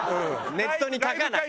ネットに書かない。